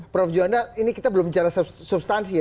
prof juanda ini kita belum bicara substansi ya